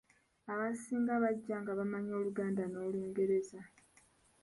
Abasinga bajja nga bamanyi Oluganda n’Olungereza.